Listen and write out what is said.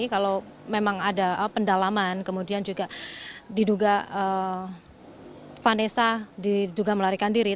kalau memang ada pendalaman kemudian juga diduga vanessa diduga melarikan diri